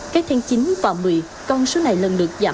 cách tháng chín và một mươi con số này lần được giảm